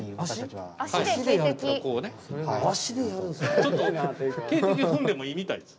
ちょっと警笛踏んでもいいみたいです。